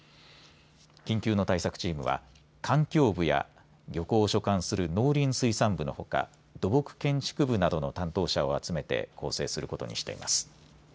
緊急の対策チームは環境部や、漁港を所管する農林水産部のほか土木建築部などの担当者を集めて構成することにしています。